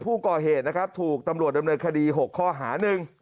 ผู้ก่อเหตุนะครับถูกตำรวจดำเนินคดี๖ข้อหาหนึ่ง